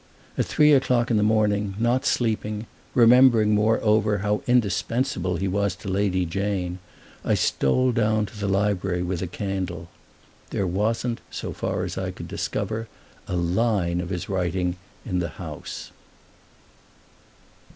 At three o'clock in the morning, not sleeping, remembering moreover how indispensable he was to Lady Jane, I stole down to the library with a candle. There wasn't, so far as I could discover, a line of his writing in the house.